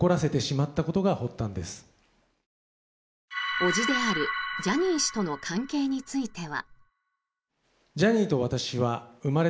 叔父であるジャニー氏との関係については。